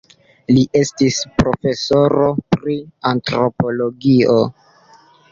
Li estis profesoro pri antropologio.